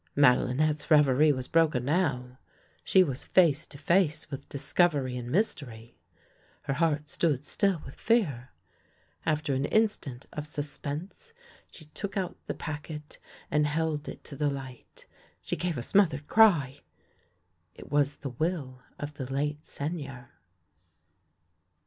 IMadelinette's reverie was broken now. She was face to face with discovery and mystery. Her heart stood still with fear. After an instant of suspense, she took out the packet and held it to the light. She gave a smothered cry. It was the will of the late Seigneur.